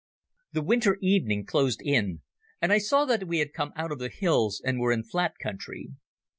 The winter evening closed in, and I saw that we had come out of the hills and were in flat country.